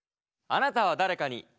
あなたは誰かに。